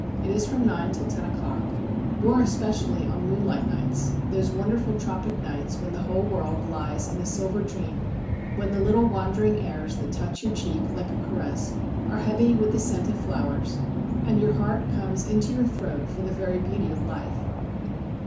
It is from nine till ten o'clock, more especially on moonlight nights, those wonderful tropic nights, when the whole world lies in a silver dream, when the little wandering airs that touch your cheek like a caress are heavy with the scent of flowers, and your heart comes into your throat for the very beauty of life.